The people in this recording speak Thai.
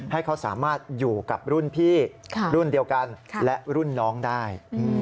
ให้เขาสามารถอยู่กับรุ่นพี่รุ่นเดียวกันและรุ่นน้องได้